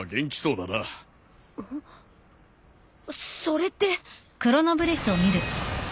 それって！